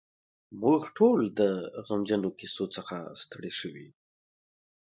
موږ ټول د غمجنو کیسو څخه ستړي شوي یو.